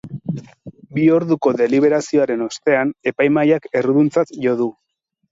Bi orduko deliberazioaren ostean, epaimahaiak erruduntzat jo du.